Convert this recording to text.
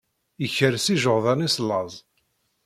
Ikres ijeɣdan-is laẓ.